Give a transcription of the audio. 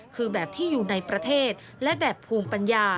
คือแบบที่อยู่ในประเทศและแบบภูมิปัญญา